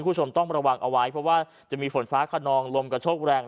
คุณผู้ชมต้องระวังเอาไว้เพราะว่าจะมีฝนฟ้าขนองลมกระโชกแรง